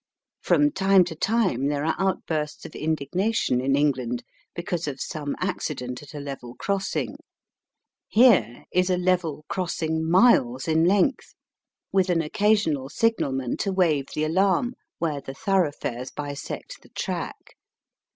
From time to time there are outbursts of indignation in England because of some acci dent at a level crossing. Here is a level crossing miles in length, with an occasional signalman to wave the alarm where the tho roughfares bisect the track.